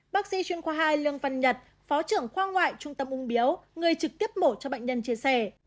bác sĩ chuyên khoa hai lương văn nhật phó trưởng khoa ngoại trung tâm ung biếu người trực tiếp mổ cho bệnh nhân chia sẻ